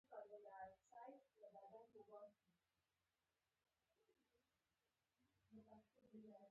د دې هوا زموږ ساه ده؟